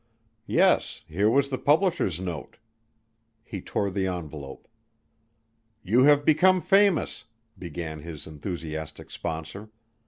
Yes, here was the publisher's note. He tore the envelope. "You have become famous," began his enthusiastic sponsor.